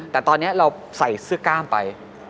แต่ตอนนี้เราใส่เสื้อกล้ามไป